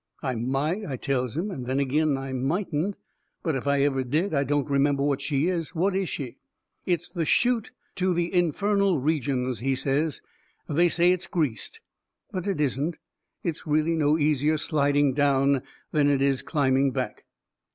"I might," I tells him, "and then agin I mightn't, but if I ever did, I don't remember what she is. What is she?" "It's the chute to the infernal regions," he says. "They say it's greased. But it isn't. It's really no easier sliding down than it is climbing back."